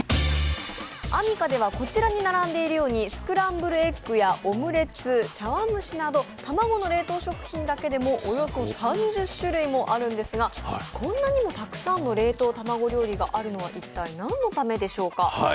アミカではこちらに並んでいるようにスクランブルエッグや茶碗蒸しなど卵の冷凍食品だけでもおよそ３０種類もあるんですがこんなにもたくさんの冷凍卵料理があるのは、一体何のためなんでしょうか？